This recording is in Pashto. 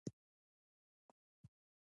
یو ایاتیام سوال د ملکي خدمتونو مامور دی.